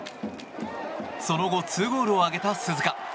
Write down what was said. その後２ゴールを挙げた鈴鹿。